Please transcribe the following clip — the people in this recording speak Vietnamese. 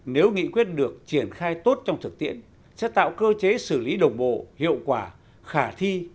nếu nghị quyết được triển khai tốt trong thực tiễn sẽ tạo cơ chế xử lý đồng bộ hiệu quả khả thi